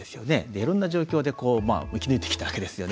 いろんな状況を生き抜いてきたわけですよね。